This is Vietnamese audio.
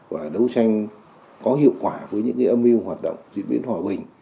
và đấu tranh có hiệu quả với những âm mưu hoạt động diễn biến hòa bình